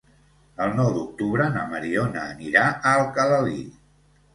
El nou d'octubre na Mariona anirà a Alcalalí.